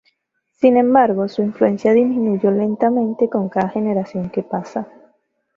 Sin embargo, su influencia disminuyó lentamente con cada generación que pasa.